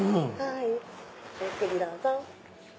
ごゆっくりどうぞ。